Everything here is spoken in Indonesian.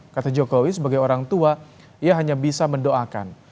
kata jokowi sebagai orang tua ia hanya bisa mendoakan